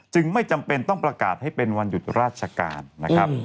ไม่จำเป็นต้องประกาศให้เป็นวันหยุดราชการนะครับ